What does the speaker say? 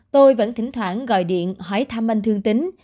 tôi vẫn thỉnh thoảng gọi điện hỏi thăm anh thương tính